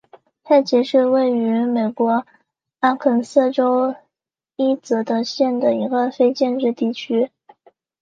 塞奇是位于美国阿肯色州伊泽德县的一个非建制地区。